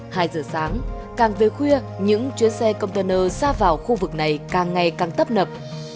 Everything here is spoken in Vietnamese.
hai giờ sáng càng về khuya những chuyến xe container xa vào khu vực này càng ngày càng tấp nập